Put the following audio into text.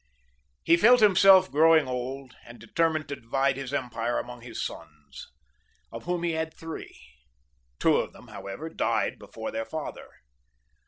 He felt himself growing old. and determined to divide his^mpire among his sons, of whom he had three. Two of them, however, died before their father.